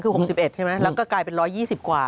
คือ๖๑ใช่ไหมแล้วก็กลายเป็น๑๒๐กว่า